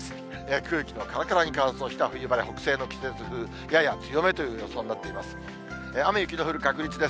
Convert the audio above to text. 空気のからからに乾燥した冬晴れ、北西の季節風、やや強めという予想になっています。